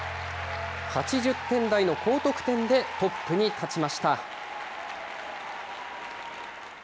８０点台の高得点でトップに立ちました。